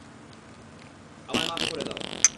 আমায় মাফ করে দাও।